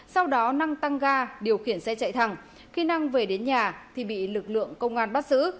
sau đó năng tăng ga điều khiển xe chạy thẳng khi năng về đến nhà thì bị lực lượng công an bắt giữ